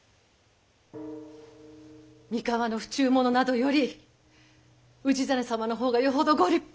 三河の不忠者などより氏真様の方がよほどご立派。